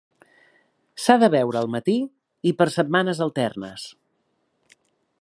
S'ha de beure al matí i per setmanes alternes.